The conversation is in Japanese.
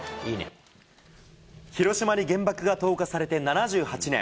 広島に原爆が投下されて７８年。